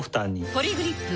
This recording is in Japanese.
ポリグリップ